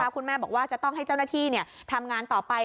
คุณแม่บอกว่าจะต้องให้เจ้าหน้าที่ทำงานต่อไป